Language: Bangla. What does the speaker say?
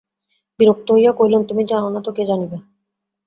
বিরক্ত হইয়া কহিলেন, তুমি জান না তো কে জানিবে।